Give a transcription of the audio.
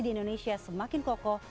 di indonesia semakin kokoh